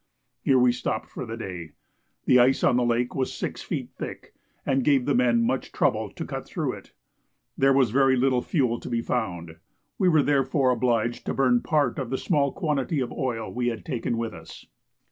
Here we stopped for the day. The ice on this lake was six feet thick, and gave the men much trouble to cut through it. There was very little fuel to be found; we were therefore obliged to burn part of the small quantity of oil we had taken with us.